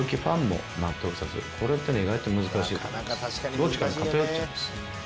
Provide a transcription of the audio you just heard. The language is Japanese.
どっちかに偏っちゃうんですよ。